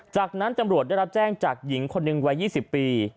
จากนั้นตำรวจได้รับแจ้งจากหญิงคนหนึ่งวัย๒๐ปี